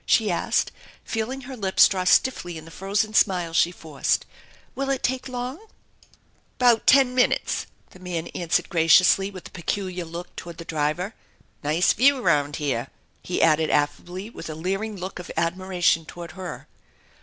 '* she asked, feeling her lips draw stiffly in the frozen smile she forced. " Will it take long ?"" 'Bout ten minutes !" the man answered graciously, with a peculiar look toward the driver. " Nice view 'round here !" he added affably with a leering look of admiration toward her.